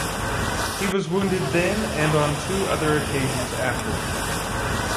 He was wounded then and on two other occasions after.